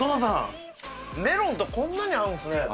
メロンとこんなに合うんすね。